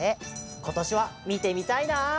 ことしはみてみたいな！